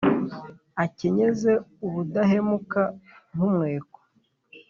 akenyeze ubudahemuka nk’umweko.